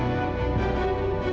tapi jumlah sheikh dulu